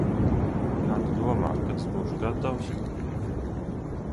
Kā tu domā, kad es būšu gatavs?